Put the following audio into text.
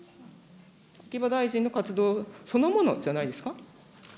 秋葉大臣の活動そのものじゃないですか。